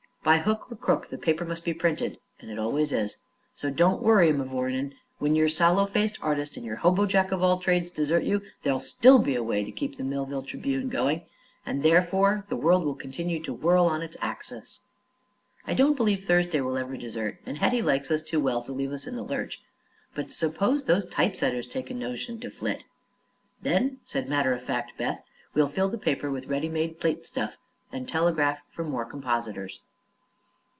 By hook or crook the paper must be printed and it always is. So don't worry, mavourneen; when your sallow faced artist and your hobo jack of all trades desert you, there'll still be a way to keep the Millville Tribune going, and therefore the world will continue to whirl on its axis." "I don't believe Thursday will ever desert, and Hetty likes us too well to leave us in the lurch; but suppose those typesetters take a notion to flit?" "Then," said matter of fact Beth, "we'll fill the paper with ready made plate stuff and telegraph for more compositors."